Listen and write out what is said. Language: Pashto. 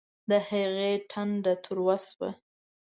د هغې ټنډه تروه شوه